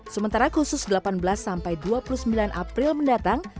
sementara khusus delapan belas sampai dua puluh sembilan april mendatang